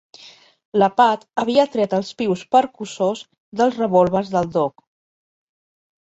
La Pat havia tret els pius percussors dels revòlvers del Doc.